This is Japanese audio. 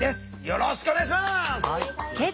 よろしくお願いします。